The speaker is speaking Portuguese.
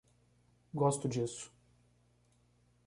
Gosto disso